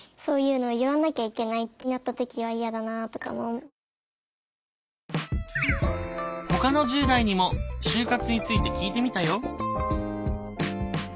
私の中でほかの１０代にも就活について聞いてみたよ。